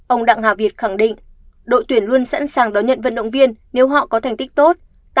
ông đặng hà việt khẳng định đội tuyển luôn sẵn sàng đón nhận vận động viên nếu họ có thành tích tốt